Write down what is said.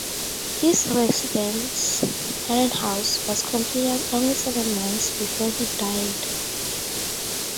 His residence, Arden House, was completed only seven months before he died.